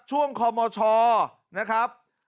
ช่วงคอมชนะครับ